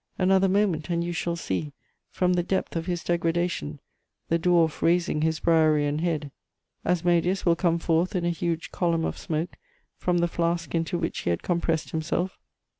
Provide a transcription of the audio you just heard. Another moment and you shall see, from the depth of his degradation, the dwarf raising his Briarean head; Asmodeus will come forth in a huge column of smoke from the flask into which he had compressed himself.